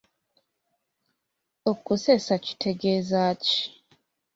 Okuseesa kitegeeza ki?